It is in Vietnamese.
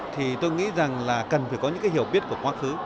thì tôi nghĩ rằng là cần phải có những cái hiểu biết của quá khứ